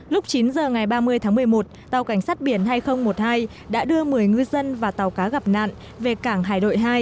lúc chín giờ ngày ba mươi tháng một mươi một tàu cảnh sát biển hai nghìn một mươi hai đã đưa một mươi ngư dân và tàu cá gặp nạn về cảng hải đội hai